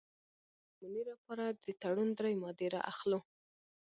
د نمونې لپاره د تړون درې مادې را اخلو.